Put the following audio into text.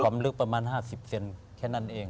ลึกประมาณ๕๐เซนแค่นั้นเอง